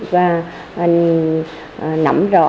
và nắm rõ